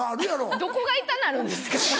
どこが痛なるんですか？